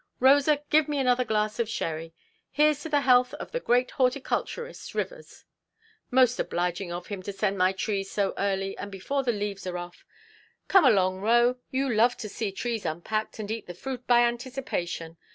Rosa, give me another glass of sherry. Hereʼs to the health of the great horticulturist, Rivers! Most obliging of him to send my trees so early, and before the leaves are off. Come along, Roe, you love to see trees unpacked, and eat the fruit by anticipation.